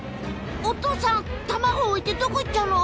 お父さん卵を置いてどこ行っちゃうの？